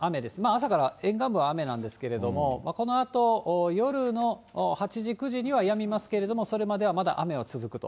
朝から沿岸部は雨なんですけれども、このあと夜の８時、９時にはやみますけれども、それまでは、まだ雨は続くと。